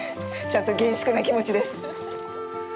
ちゃんと厳粛な気持ちです。